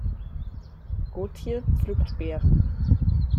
Gotje pflückt Beeren.